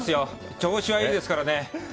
調子はいいですからね。